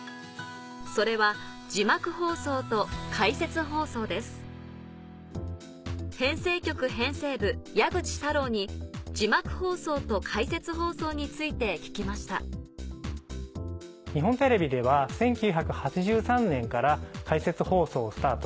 それは字幕放送と解説放送ですに字幕放送と解説放送について聞きました日本テレビでは１９８３年から解説放送をスタート。